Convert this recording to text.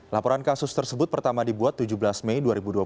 laporan kasus tersebut pertama dibuat tujuh belas mei dua ribu dua puluh